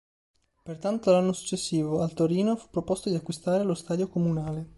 Pertanto, l'anno successivo, al Torino fu proposto di acquistare lo stadio Comunale.